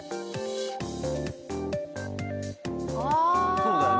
そうだよね。